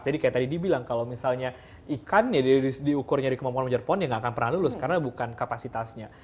jadi kayak tadi dibilang kalau misalnya ikan ya diukur nyari kemampuan menjadikan pohon ya nggak akan pernah lulus karena bukan kapasitasnya